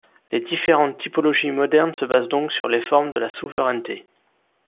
Les différentes typologies modernes se basent donc sur les formes de la souveraineté.